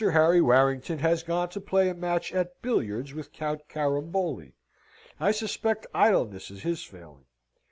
Harry Warrington has gone to play a match at billiards with Count Caramboli: I suspect idleness is his failing.